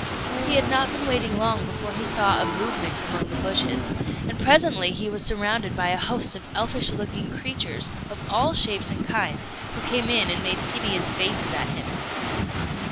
He had not been waiting long before he saw a movement among the bushes; and presently he was surrounded by a host of elfish looking creatures, of all shapes and kinds, who came and made hideous faces at him.